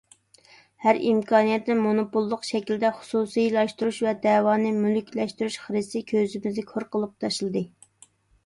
ھەر ئىمكانىيەتنى مونوپوللۇق شەكلىدە خۇسۇسىيلاشتۇرۇش ۋە دەۋانى مۈلۈكلەشتۈرۈش خىرىسى كۆزىمىزنى كور قىلىپ تاشلىدى.